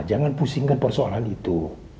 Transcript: jangan pusingkan persoalan itu